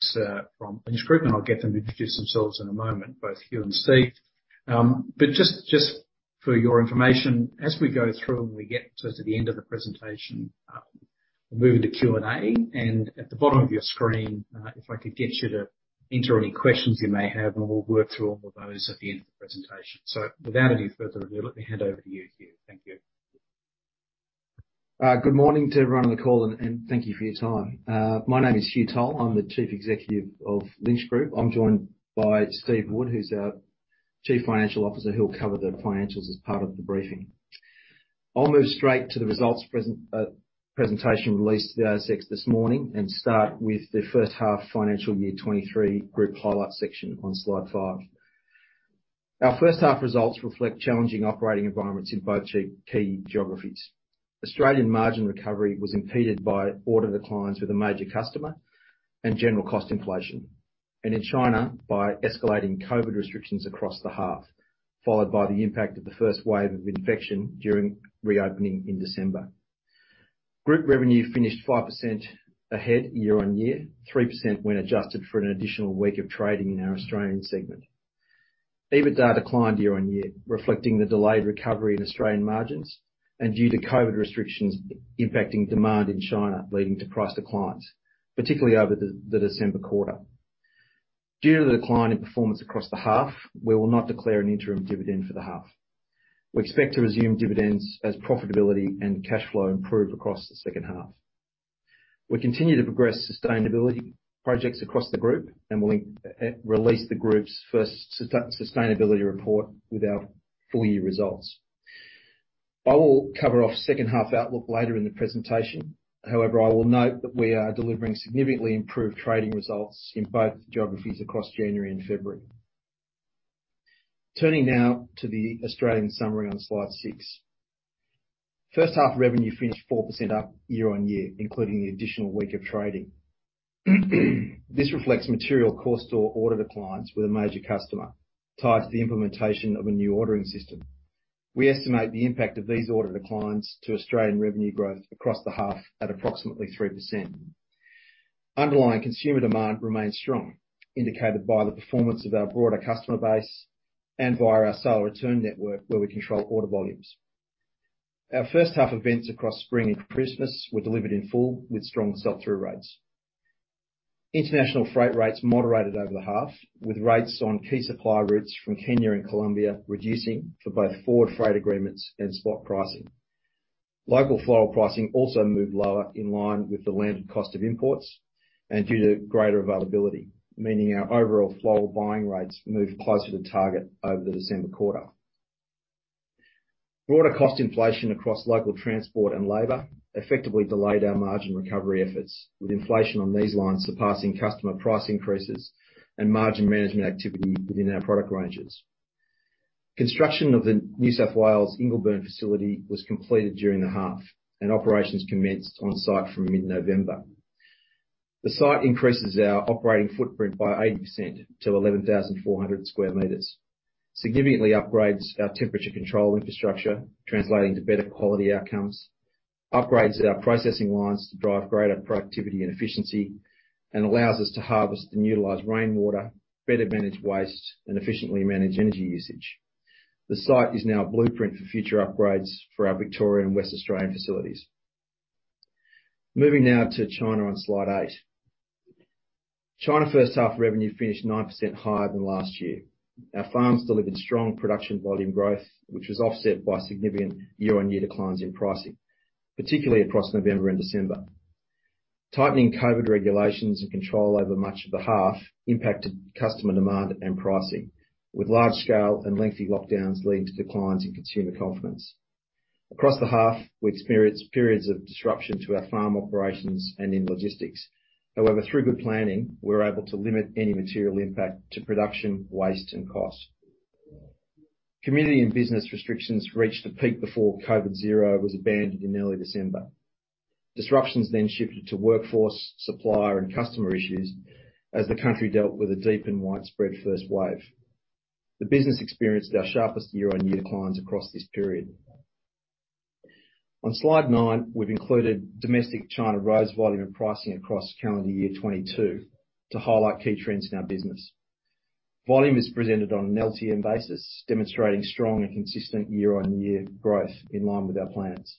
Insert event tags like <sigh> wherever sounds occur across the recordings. Sir, from Lynch Group, I'll get them to introduce themselves in a moment, Hugh Flower and Steve Wood. Just for your information, as we go through and we get close to the end of the presentation, we'll move to Q&A, and at the bottom of your screen, if I could get you to enter any questions you may have, and we'll work through all of those at the end of the presentation. Without any further ado, let me hand over to Hugh Flower. Thank you. Good morning to everyone on the call, and thank you for your time. Hugh Flower. I'm the Chief Executive of Lynch Group. I'm joined Steve Wood, who's our Chief Financial Officer, who'll cover the financials as part of the briefing. I'll move straight to the results presentation released to the ASX this morning and start with the H1 FY 2023 group highlights section on slide five. Our H1 results reflect challenging operating environments in both key geographies. Australian margin recovery was impeded by order declines with a major customer and general cost inflation. In China, by escalating COVID restrictions across the half, followed by the impact of the first wave of infection during reopening in December. Group revenue finished 5% ahead year-on-year, 3% when adjusted for an additional week of trading in our Australian segment. EBITDA declined year-on-year, reflecting the delayed recovery in Australian margins and due to COVID restrictions impacting demand in China, leading to price declines, particularly over the December quarter. Due to the decline in performance across the half, we will not declare an interim dividend for the half. We expect to resume dividends as profitability and cash flow improve across the H2. We continue to progress sustainability projects across the group and will release the group's first sustainability report with our full year results. I will cover off H2 outlook later in the presentation. I will note that we are delivering significantly improved trading results in both geographies across January and February. Turning now to the Australian summary on slide six. H1 revenue finished 4% up year-on-year, including the additional week of trading. This reflects material core store order declines with a major customer tied to the implementation of a new ordering system. We estimate the impact of these order declines to Australian revenue growth across the half at approximately 3%. Underlying consumer demand remains strong, indicated by the performance of our broader customer base and via our Sale Return network where we control order volumes. Our H1 events across spring and Christmas were delivered in full with strong sell-through rates. International freight rates moderated over the half, with rates on key supply routes from Kenya and Colombia reducing for both forward freight agreements and spot pricing. Local floral pricing also moved lower in line with the landed cost of imports and due to greater availability, meaning our overall floral buying rates moved closer to target over the December quarter. Broader cost inflation across local transport and labor effectively delayed our margin recovery efforts, with inflation on these lines surpassing customer price increases and margin management activity within our product ranges. Construction of the New South Wales Ingleburn facility was completed during the half, and operations commenced on site from mid-November. The site increases our operating footprint by 80% to 11,400 sq m. Significantly upgrades our temperature control infrastructure, translating to better quality outcomes. Upgrades our processing lines to drive greater productivity and efficiency, and allows us to harvest and utilize rainwater, better manage waste, and efficiently manage energy usage. The site is now a blueprint for future upgrades for our Victoria and West Australian facilities. Moving now to China on slide eight. China H1 revenue finished 9% higher than last year. Our farms delivered strong production volume growth, which was offset by significant year-on-year declines in pricing, particularly across November and December. Tightening COVID regulations and control over much of the half impacted customer demand and pricing, with large scale and lengthy lockdowns leading to declines in consumer confidence. Across the half, we experienced periods of disruption to our farm operations and in logistics. Through good planning, we were able to limit any material impact to production, waste, and cost. Community and business restrictions reached a peak before zero-COVID was abandoned in early December. Disruptions shifted to workforce, supplier, and customer issues as the country dealt with a deep and widespread first wave. The business experienced our sharpest year-on-year declines across this period. On slide nine, we've included domestic China rose volume and pricing across calendar year 2022 to highlight key trends in our business. Volume is presented on an LTM basis, demonstrating strong and consistent year-on-year growth in line with our plans.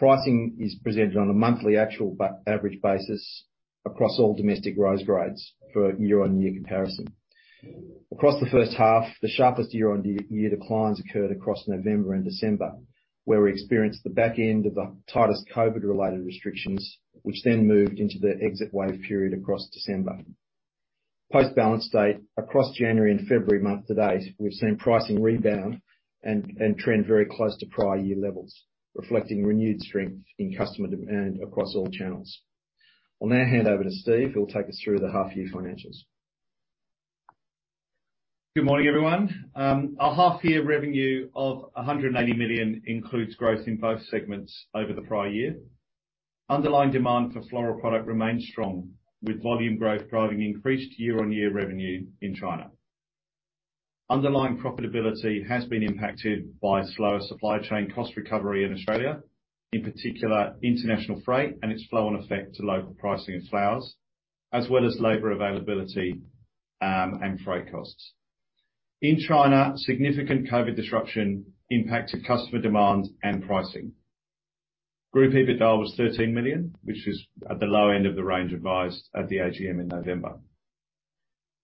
Pricing is presented on a monthly actual average basis across all domestic rose grades for a year-on-year comparison. Across the H1, the sharpest year-on-year declines occurred across November and December, where we experienced the back end of the tightest COVID-related restrictions, which then moved into the exit wave period across December. Post balance date, across January and February month-to-date, we've seen pricing rebound and trend very close to prior year levels, reflecting renewed strength in customer demand across all channels. I'll now hand over to Steve Wood, who will take us through the half year financials. Good morning, everyone. Our half-year revenue of 180 million includes growth in both segments over the prior-year. Underlying demand for floral product remains strong, with volume growth driving increased year-on-year revenue in China. Underlying profitability has been impacted by slower supply chain cost recovery in Australia, in particular, international freight and its flow-on effect to local pricing and flowers, as well as labor availability and freight costs. In China, significant COVID disruption impacted customer demand and pricing. Group EBITDA was 13 million, which is at the low end of the range advised at the AGM in November.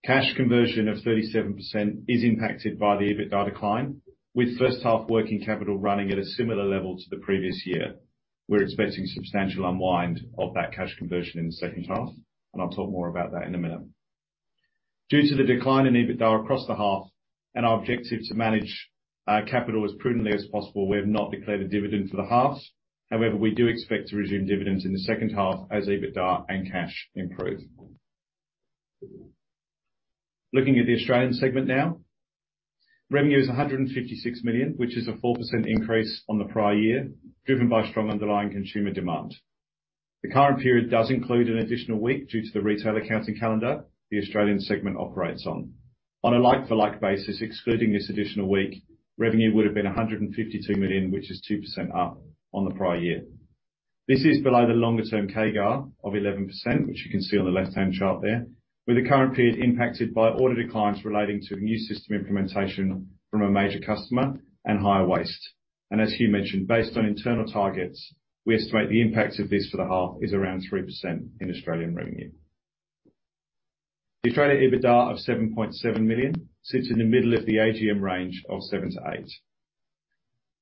Cash conversion of 37% is impacted by the EBITDA decline, with H1 working capital running at a similar level to the previous year. We're expecting substantial unwind of that cash conversion in the H2, and I'll talk more about that in a minute. Due to the decline in EBITDA across the half and our objective to manage capital as prudently as possible, we have not declared a dividend for the half. We do expect to resume dividends in the H2 as EBITDA and cash improve. Looking at the Australian segment now. Revenue is 156 million, which is a 4% increase on the prior year, driven by strong underlying consumer demand. The current period does include an additional week due to the retail accounting calendar the Australian segment operates on. On a like-for-like basis, excluding this additional week, revenue would have been 152 million, which is 2% up on the prior year. This is below the longer term CAGR of 11%, which you can see on the left-hand chart there, with the current period impacted by order declines relating to new system implementation from a major customer and higher waste. Hugh Flower mentioned, based on internal targets, we estimate the impact of this for the half is around 3% in Australian revenue. The Australia EBITDA of 7.7 million sits in the middle of the AGM range of 7 million-8 million.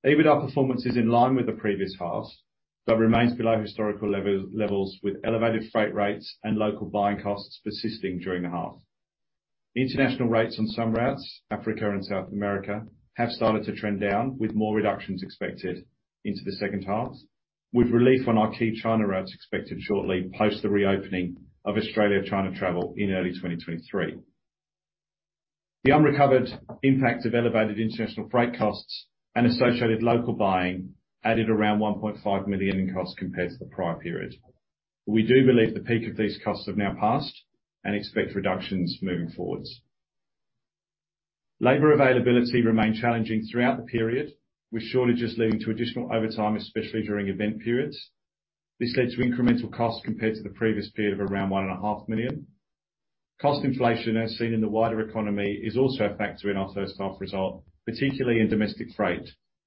EBITDA performance is in line with the previous half, but remains below historical levels with elevated freight rates and local buying costs persisting during the half. International rates on some routes, Africa and South America, have started to trend down, with more reductions expected into the H2, with relief on our key China routes expected shortly post the reopening of Australia-China travel in early 2023. The unrecovered impact of elevated international freight costs and associated local buying added around 1.5 million in costs compared to the prior period. We do believe the peak of these costs have now passed and expect reductions moving forwards. Labor availability remained challenging throughout the period, with shortages leading to additional overtime, especially during event periods. This led to incremental costs compared to the previous period of around 1.5 Million. Cost inflation, as seen in the wider economy, is also a factor in our H1 result, particularly in domestic freight,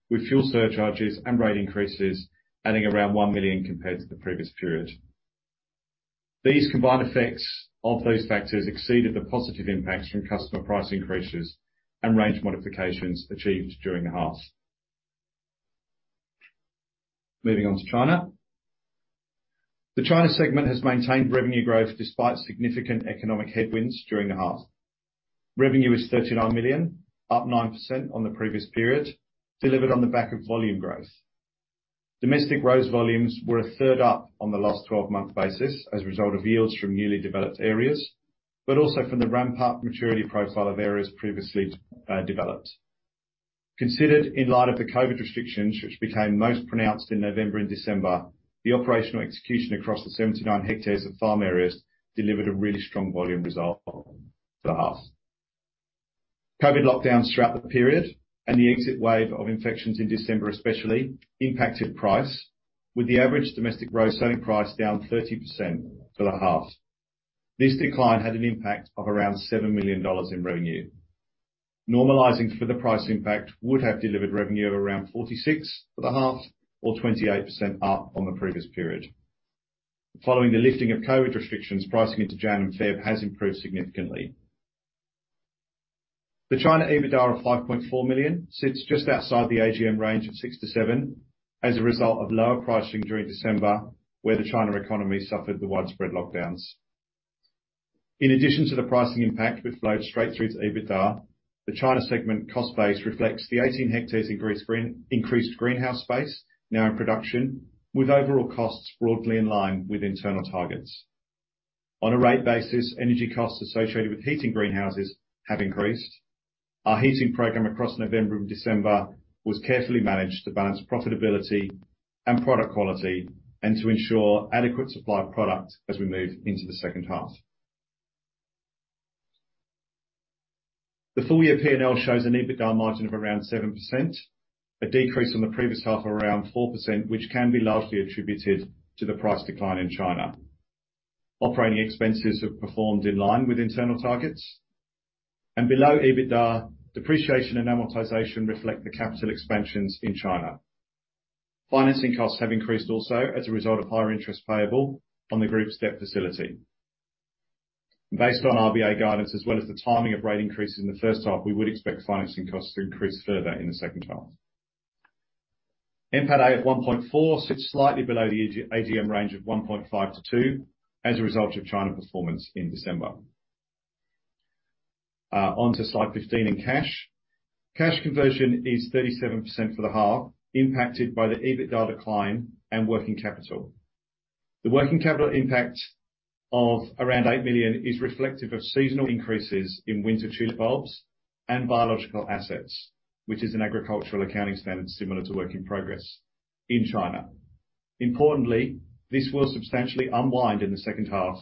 with fuel surcharges and rate increases adding around 1 million compared to the previous period. These combined effects of those factors exceeded the positive impacts from customer price increases and range modifications achieved during the half. Moving on to China. The China segment has maintained revenue growth despite significant economic headwinds during the half. Revenue is 39 million, up 9% on the previous period, delivered on the back of volume growth. Domestic rose volumes were a third up on the last twelve-month basis as a result of yields from newly developed areas, but also from the ramp-up maturity profile of areas previously developed. Considered in light of the COVID restrictions, which became most pronounced in November and December, the operational execution across the 79 hectares of farm areas delivered a really strong volume result for us. COVID lockdowns throughout the period and the exit wave of infections in December especially impacted price, with the average domestic rose selling price down 30% for the half. This decline had an impact of around 7 million dollars in revenue. Normalizing for the price impact would have delivered revenue of around 46 million for the half or 28% up on the previous period. Following the lifting of COVID restrictions, pricing into January and February has improved significantly. The China EBITDA of 5.4 million sits just outside the AGM range of 6 million-7 million as a result of lower pricing during December, where the China economy suffered the widespread lockdowns. In addition to the pricing impact, which flowed straight through to EBITDA, the China segment cost base reflects the 18 hectares increased greenhouse space now in production, with overall costs broadly in line with internal targets. On a rate basis, energy costs associated with heating greenhouses have increased. Our heating program across November and December was carefully managed to balance profitability and product quality and to ensure adequate supply of product as we move into the H2. The full year P&L shows an EBITDA margin of around 7%, a decrease on the previous half of around 4%, which can be largely attributed to the price decline in China. Operating expenses have performed in line with internal targets. Below EBITDA, depreciation and amortization reflect the capital expansions in China. Financing costs have increased also as a result of higher interest payable on the group's debt facility. Based on RBA guidance, as well as the timing of rate increases in the H1, we would expect financing costs to increase further in the H2. NPATA of 1.4 sits slightly below the AGM range of 1.5-2 as a result of China performance in December. Onto slide 15 in cash. Cash conversion is 37% for the half, impacted by the EBITDA decline and working capital. The working capital impact of around 8 million is reflective of seasonal increases in winter tulip bulbs and biological assets, which is an agricultural accounting standard similar to work in progress in China. Importantly, this will substantially unwind in the H2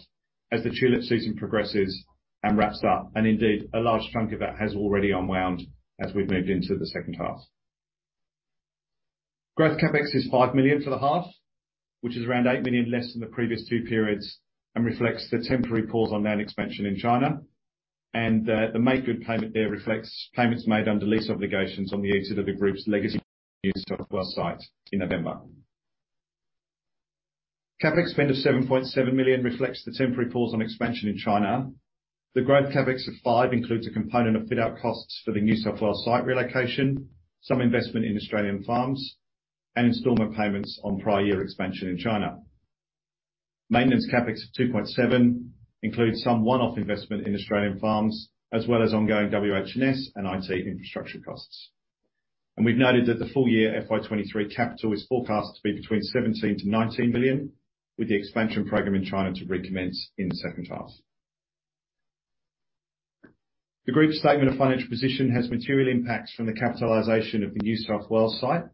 as the tulip season progresses and wraps up. Indeed, a large chunk of that has already unwound as we've moved into the H2. Growth CapEx is 5 million for the half, which is around 8 million less than the previous two periods, and reflects the temporary pause on land expansion in China. The makegood payment there reflects payments made under lease obligations on the exit of the group's legacy New South Wales site in November. CapEx spend of 7.7 million reflects the temporary pause on expansion in China. The growth CapEx of 5 includes a component of fit-out costs for the New South Wales site relocation, some investment in Australian farms, and installment payments on prior year expansion in China. Maintenance CapEx of 2.7 includes some one-off investment in Australian farms, as well as ongoing WHS and IT infrastructure costs. We've noted that the full year FY 2023 capital is forecast to be between 17 million-19 million, with the expansion program in China to recommence in the H2. The group's statement of financial position has material impacts from the capitalization of the New South Wales site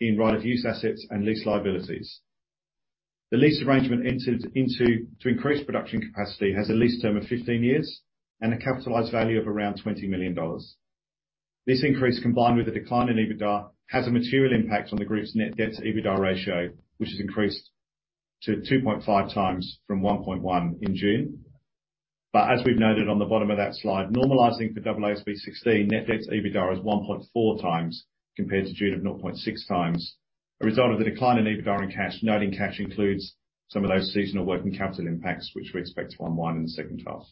in right of use assets and lease liabilities. The lease arrangement entered into to increase production capacity has a lease term of 15 years and a capitalized value of around AUD 20 million. This increase, combined with a decline in EBITDA, has a material impact on the group's net debt to EBITDA ratio, which has increased to 2.5x from 1.1 in June. As we've noted on the bottom of that slide, normalizing for AASB 16, net debt to EBITDA is 1.4x compared to June of 0.6x, a result of the decline in EBITDA and cash. Noting cash includes some of those seasonal working capital impacts which we expect to unwind in the H2.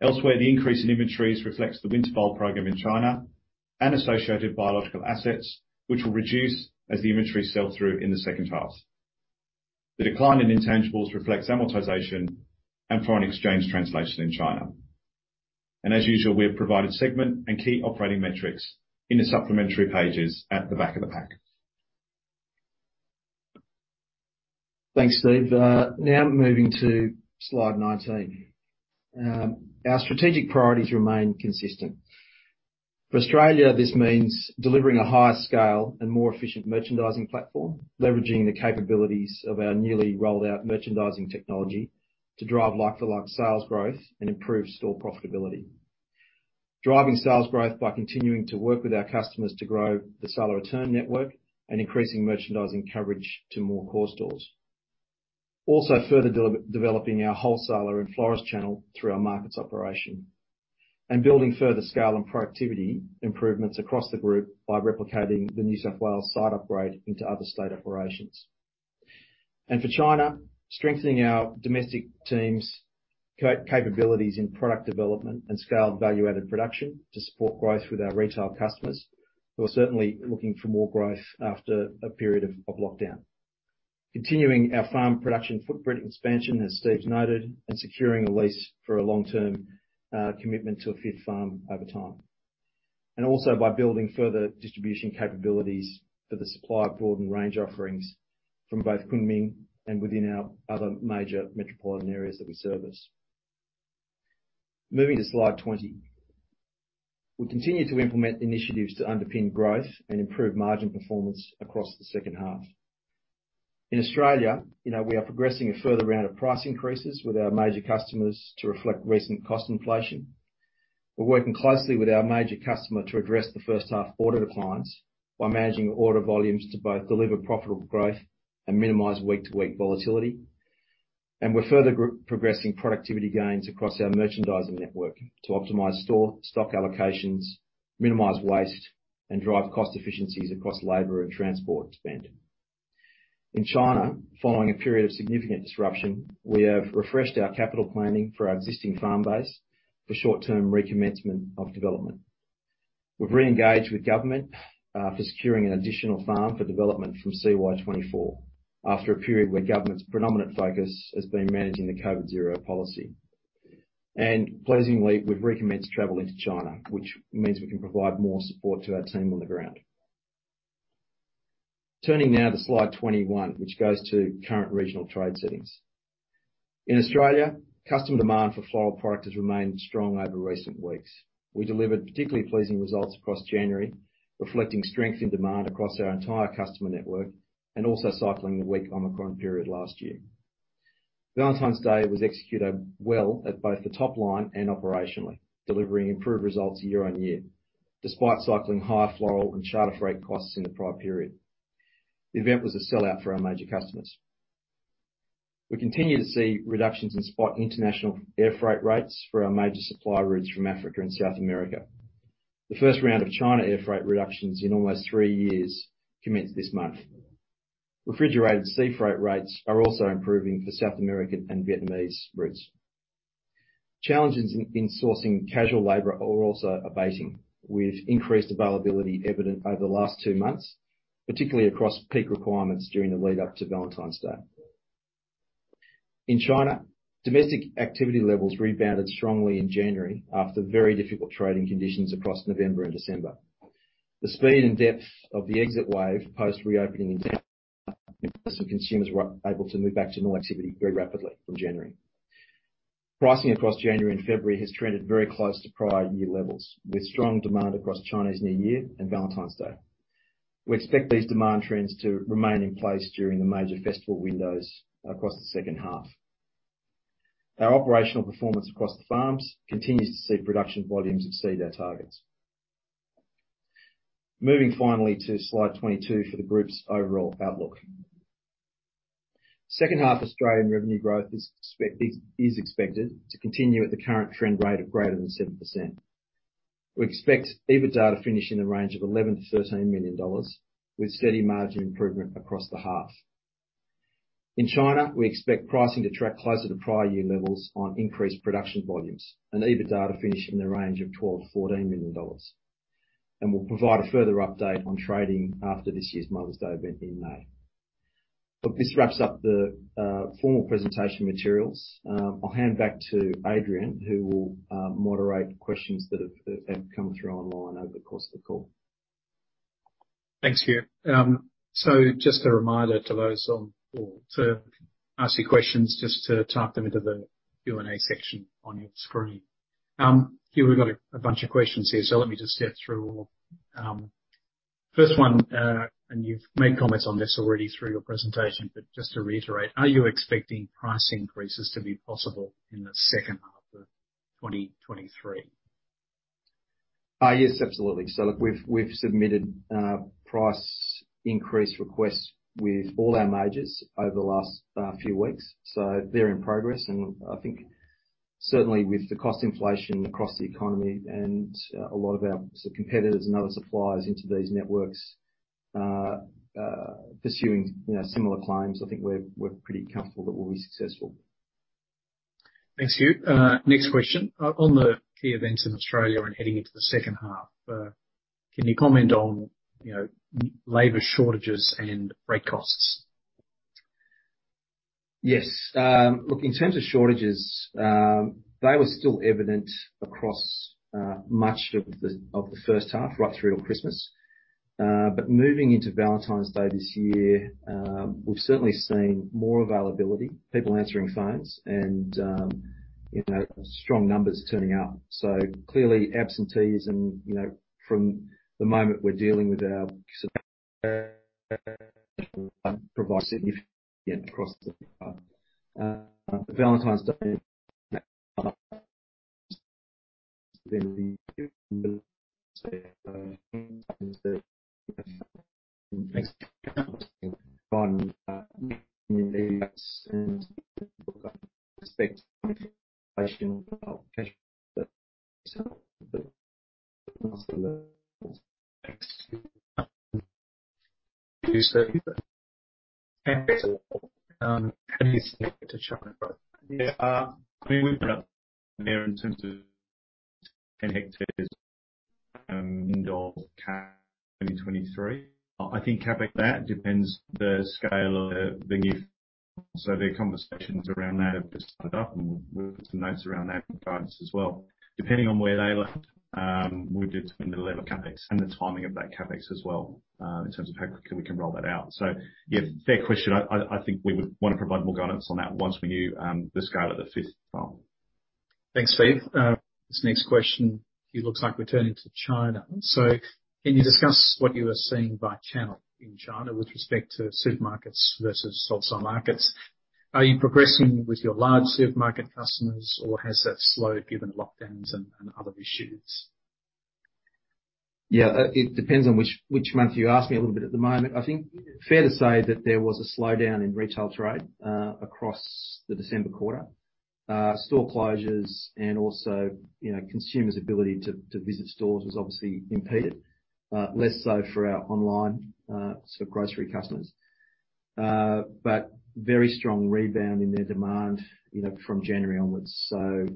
Elsewhere, the increase in inventories reflects the winter bulb program in China and associated biological assets, which will reduce as the inventory sell through in the H2. The decline in intangibles reflects amortization and foreign exchange translation in China. As usual, we have provided segment and key operating metrics in the supplementary pages at the back of the pack. Thanks, Steve Wood. Now moving to slide 19. Our strategic priorities remain consistent. For Australia, this means delivering a higher scale and more efficient merchandising platform, leveraging the capabilities of our newly rolled out merchandising technology to drive like-for-like sales growth and improve store profitability. Driving sales growth by continuing to work with our customers to grow the Sale or Return network and increasing merchandising coverage to more core stores. Also further developing our wholesaler and florist channel through our markets operation, and building further scale and productivity improvements across the group by replicating the New South Wales site upgrade into other state operations. For China, strengthening our domestic team's capabilities in product development and scaled value-added production to support growth with our retail customers, who are certainly looking for more growth after a period of lockdown. Continuing our farm production footprint expansion, as Steve Wood's noted, and securing a lease for a long-term commitment to a fifth farm over time. Also by building further distribution capabilities for the supply of broadened range offerings from both Kunming and within our other major metropolitan areas that we service. Moving to slide 20. We continue to implement initiatives to underpin growth and improve margin performance across the H2. In Australia, you know, we are progressing a further round of price increases with our major customers to reflect recent cost inflation. We're working closely with our major customer to address the H1 order declines by managing order volumes to both deliver profitable growth and minimize week-to-week volatility. We're further progressing productivity gains across our merchandising network to optimize store stock allocations, minimize waste, and drive cost efficiencies across labor and transport spend. In China, following a period of significant disruption, we have refreshed our capital planning for our existing farm base for short-term recommencement of development. We've re-engaged with government for securing an additional farm for development from CY 2024, after a period where government's predominant focus has been managing the zero-COVID policy. Pleasingly, we've recommenced travel into China, which means we can provide more support to our team on the ground. Turning now to slide 21, which goes to current regional trade settings. In Australia, customer demand for floral product has remained strong over recent weeks. We delivered particularly pleasing results across January, reflecting strength in demand across our entire customer network and also cycling the weak Omicron period last year. Valentine's Day was executed well at both the top line and operationally, delivering improved results year on year, despite cycling higher floral and charter freight costs in the prior period. The event was a sellout for our major customers. We continue to see reductions in spot international air freight rates for our major supply routes from Africa and South America. The first round of China air freight reductions in almost three years commenced this month. Refrigerated sea freight rates are also improving for South American and Vietnamese routes. Challenges in sourcing casual labor are also abating, with increased availability evident over the last twomonths, particularly across peak requirements during the lead up to Valentine's Day. In China, domestic activity levels rebounded strongly in January after very difficult trading conditions across November and December. The speed and depth of the exit wave post-reopening in China meant that some consumers were able to move back to normal activity very rapidly from January. Pricing across January and February has trended very close to prior year levels, with strong demand across Chinese New Year and Valentine's Day. We expect these demand trends to remain in place during the major festival windows across the H2. Our operational performance across the farms continues to see production volumes exceed our targets. Moving finally to slide 22 for the group's overall outlook. H2 Australian revenue growth is expected to continue at the current trend rate of greater than 7%. We expect EBITDA to finish in the range of 11 million-13 million dollars with steady margin improvement across the half. In China, we expect pricing to track closer to prior year levels on increased production volumes and EBITDA to finish in the range of CNY 12 million-CNY 14 million. We'll provide a further update on trading after this year's Mother's Day event in May. Look, this wraps up the formal presentation materials. I'll hand back to Adrian Mulcahy, who will moderate questions that have come through online over the course of the call. Hugh Flower. Just a reminder to those on the call to ask your questions, just to type them into the Q&A section on your Hugh Flower, we've got a bunch of questions here, let me just step through. First one, and you've made comments on this already through your presentation, but just to reiterate, are you expecting price increases to be possible in the H2 of 2023? Yes, absolutely. Look, we've submitted price increase requests with all our majors over the last few weeks. They're in progress and I think certainly with the cost inflation across the economy and a lot of our competitors and other suppliers into these networks pursuing, you know, similar claims, I think we're pretty comfortable that we'll be successful. Hugh Flower. Next question. On the key events in Australia and heading into the H2, can you comment on, you know, labor shortages and freight costs? Yes. Look, in terms of shortages, they were still evident across much of the H1, right through till Christmas. Moving into Valentine's Day this year, we've certainly seen more availability, people answering phones and, you know, strong numbers turning up. Clearly absentees and, you know, from the moment we're dealing with our provide significant across the Valentine's Day, <audio distortion> Yeah. I mean, we've been up there in terms of 2023. I think CapEx, that depends the scale of the new. The conversations around that have just started up, and we'll put some notes around that guidance as well. Depending on where they land, we'll determine the level of CapEx and the timing of that CapEx as well, in terms of how quick we can roll that out. Yeah, fair question. I think we would wanna provide more guidance on that once we knew the scale of the fifth farm. Thanks, Steve Wood. This next question, it looks like we're turning to China. Can you discuss what you are seeing by channel in China with respect to supermarkets versus wholesale markets? Are you progressing with your large supermarket customers or has that slowed given the lockdowns and other issues? Yeah. It depends on which month you ask me a little bit at the moment. I think fair to say that there was a slowdown in retail trade across the December quarter. Store closures and also, you know, consumers' ability to visit stores was obviously impeded. Less so for our online sort of grocery customers. Very strong rebound in their demand, you know, from January onwards.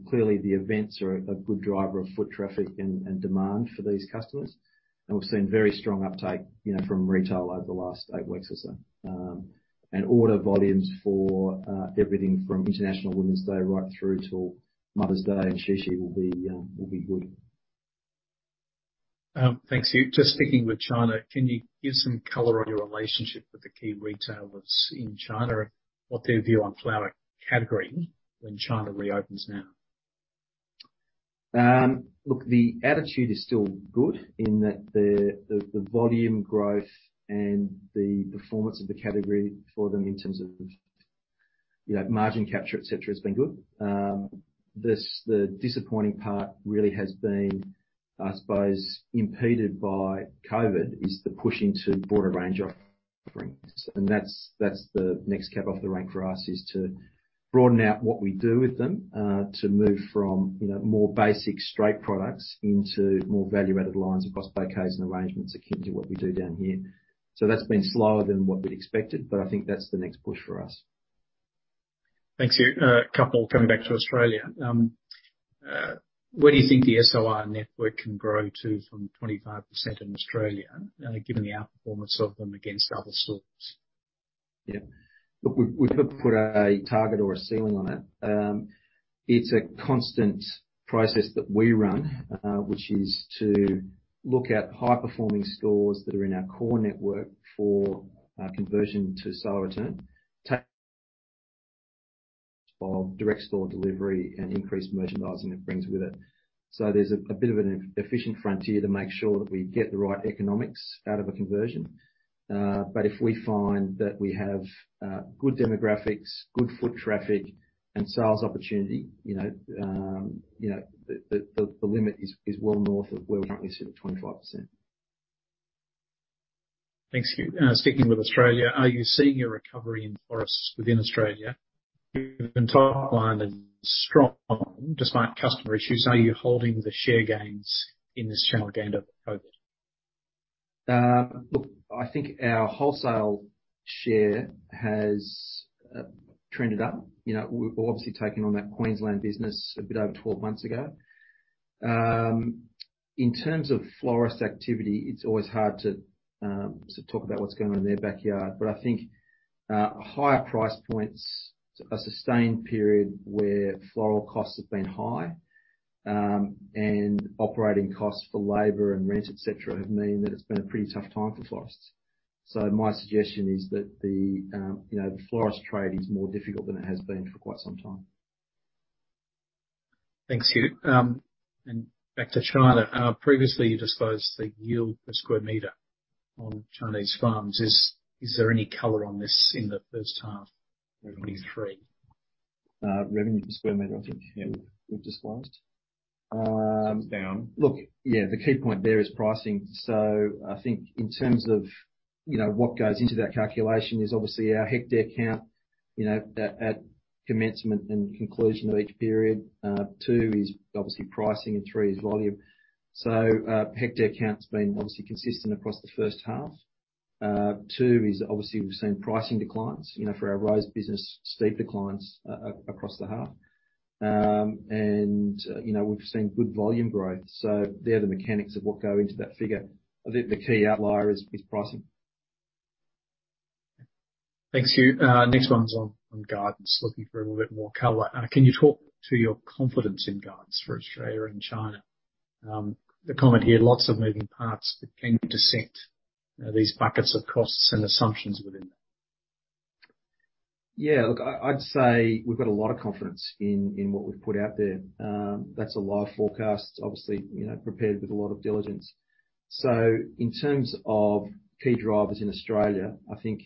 Clearly the events are a good driver of foot traffic and demand for these customers. We've seen very strong uptake, you know, from retail over the last eight weeks or so. Order volumes for everything from International Women's Day right through to Mother's Day and Qixi will be good. Hugh Flower. Just sticking with China, can you give some color on your relationship with the key retailers in China and what their view on flower category when China reopens now? Look, the attitude is still good in that the, the volume growth and the performance of the category for them in terms of, you know, margin capture, et cetera, has been good. The disappointing part really has been, I suppose, impeded by COVID is the pushing to broader range offerings. That's, that's the next cab off the rank for us, is to broaden out what we do with them, to move from, you know, more basic straight products into more value-added lines across bouquets and arrangements akin to what we do down here. That's been slower than what we'd expected, but I think that's the next push for us. Hugh Flower. A couple coming back to Australia. Where do you think the SOR network can grow to from 25% in Australia, given the outperformance of them against other stores? Yeah. Look, we've not put a target or a ceiling on it. It's a constant process that we run, which is to look at high-performing stores that are in our core network for conversion to store return. Of direct store delivery and increased merchandising it brings with it. There's a bit of an efficient frontier to make sure that we get the right economics out of a conversion. If we find that we have good demographics, good foot traffic, and sales opportunity, you know, the limit is well north of where we currently sit at 25%. Hugh Flower. Sticking with Australia, are you seeing a recovery in florists within Australia? You've been top-lined and strong despite customer issues. Are you holding the share gains in this channel again over COVID? look, I think our wholesale share has trended up. You know, we've obviously taken on that Queensland business a bit over 12 months ago. In terms of florist activity, it's always hard to sort of, talk about what's going on in their backyard. I think higher price points, a sustained period where floral costs have been high, and operating costs for labor and rent, et cetera, have meant that it's been a pretty tough time for florists. My suggestion is that the, you know, the florist trade is more difficult than it has been for quite some time. Hugh Flower. Back to China. Previously, you disclosed the yield per sq m on Chinese farms. Is there any color on this in the H1 2023? Revenue per square meter, I think, yeah, we've disclosed. Down. Look, yeah, the key point there is pricing. I think in terms of, you know, what goes into that calculation is obviously our hectare count, you know, at commencement and conclusion of each period. Two is obviously pricing, and three is volume. Hectare count's been obviously consistent across the H1. 2 is obviously we've seen pricing declines, you know, for our rose business, steep declines across the half. You know, we've seen good volume growth. They're the mechanics of what go into that figure. I think the key outlier is pricing. Hugh Flower. next one's on gardens. Looking for a little bit more color. Can you talk to your confidence in gardens for Australia and China? The comment here, lots of moving parts, but can you descent, you know, these buckets of costs and assumptions within that? Yeah. Look, I'd say we've got a lot of confidence in what we've put out there. That's a live forecast, obviously, you know, prepared with a lot of diligence. In terms of key drivers in Australia, I think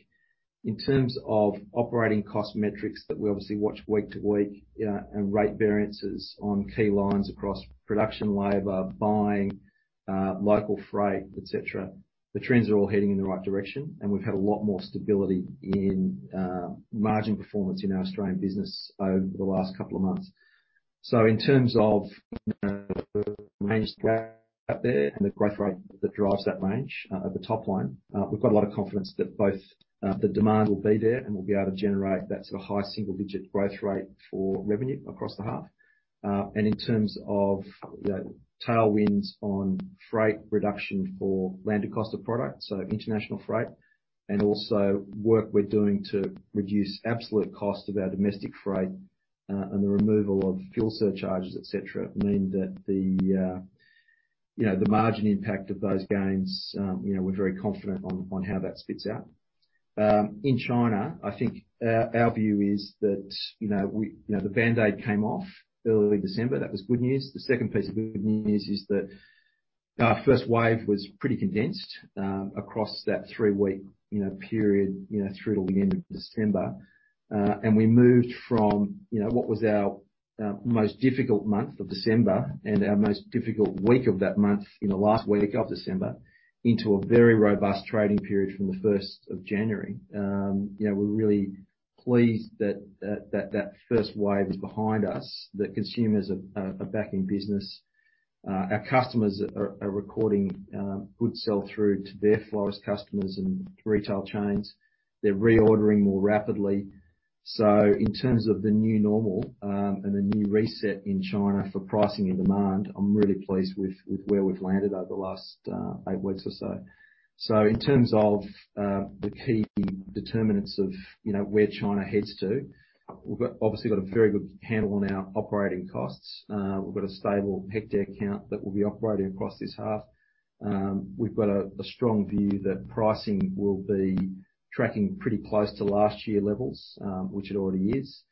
in terms of operating cost metrics that we obviously watch week to week, and rate variances on key lines across production, labor, buying, local freight, et cetera, the trends are all heading in the right direction. We've had a lot more stability in margin performance in our Australian business over the last couple of months. In terms of, you know, range out there and the growth rate that drives that range, at the top line, we've got a lot of confidence that both, the demand will be there, and we'll be able to generate that sort of high-single-digit growth rate for revenue across the half. In terms of the tailwinds on freight reduction for landed cost of product, so international freight, and also work we're doing to reduce absolute cost of our domestic freight, and the removal of fuel surcharges, et cetera, mean that the, you know, the margin impact of those gains, you know, we're very confident on how that spits out. In China, I think our view is that, you know, we, you know, the band-aid came off early December. That was good news. The second piece of good news is that our first wave was pretty condensed, across that three-week, you know, period, you know, through to the end of December. We moved from, you know, what was our most difficult month of December and our most difficult week of that month, you know, last week of December, into a very robust trading period from the first of January. You know, we're really pleased that first wave is behind us, that consumers are back in business. Our customers are recording good sell-through to their florist customers and retail chains. They're reordering more rapidly. In terms of the new normal, and a new reset in China for pricing and demand, I'm really pleased with where we've landed over the last eight weeks or so. In terms of, the key determinants of, you know, where China heads to, we've got, obviously got a very good handle on our operating costs. We've got a stable hectare count that will be operating across this half. We've got a strong view that pricing will be tracking pretty close to last year levels, which it already is.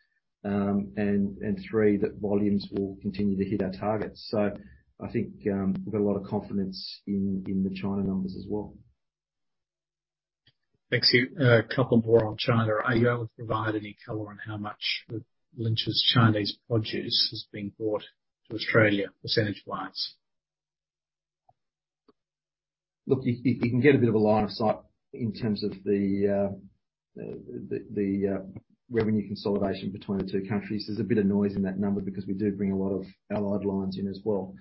Three, that volumes will continue to hit our targets. I think, we've got a lot of confidence in the China numbers as well. Thanks Hugh Flower. A couple more on China. Are you able to provide any color on how much of Lynch's Chinese produce is being brought to Australia percentage-wise? Look, you can get a bit of a line of sight in terms of the revenue consolidation between the two countries. There's a bit of noise in that number because we do bring a lot of allied lines in as well.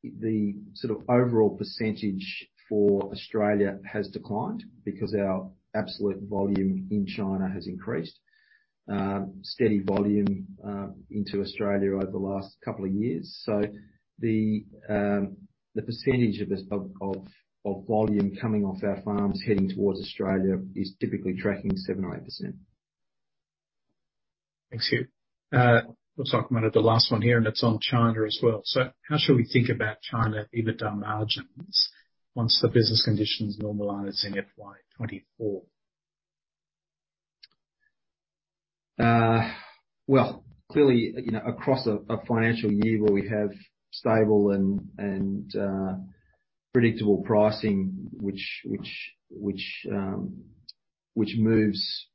The sort of overall percentage for Australia has declined because our absolute volume in China has increased. Steady volume into Australia over the last couple of years. The percentage of this volume coming off our farms heading towards Australia is typically tracking 7% or 8%. Hugh Flower. looks like I'm onto the last one here, and it's on China as well. How should we think about China EBITDA margins once the business conditions normalize in FY 2024? Well, clearly, you know, across a financial year where we have stable and predictable pricing which moves,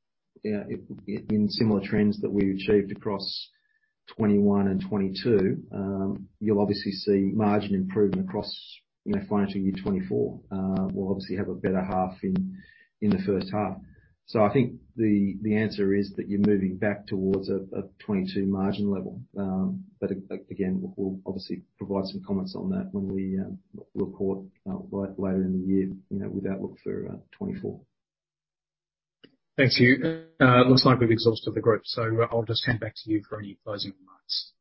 you know, in similar trends that we achieved across 2021 and 2022, you'll obviously see margin improvement across, you know, financial year 2024. We'll obviously have a better half in the H1. I think the answer is that you're moving back towards a 2022 margin level. Again, we'll obviously provide some comments on that when we report, right, later in the year, you know, with outlook for 2024. Hugh Flower. Looks like we've exhausted the group, so I'll just come back to you for any closing remarks.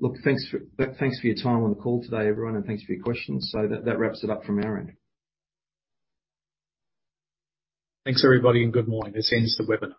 Look, thanks for your time on the call today, everyone, and thanks for your questions. That, that wraps it up from our end. Thanks, everybody, and good morning. This ends the webinar.